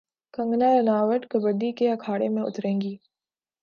کنگنا رناوٹ کبڈی کے اکھاڑے میں اتریں گی